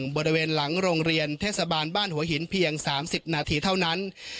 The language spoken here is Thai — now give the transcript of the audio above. บริเวณหลังโรงเรียนเทศบาลบ้านหัวหินเพียง๓๐นาทีเท่านั้น